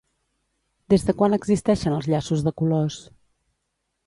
Des de quan existeixen els llaços de colors?